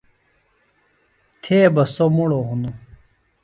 تھےۡ بہ سوۡ مڑوۡ ہِنوۡ